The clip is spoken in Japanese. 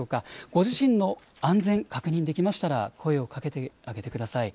ご自身の安全確認できましたら声をかけてあげてください。